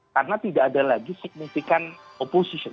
karena tidak ada lagi signifikan opposition